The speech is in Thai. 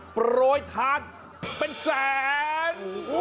โปรยทานเป็นแสน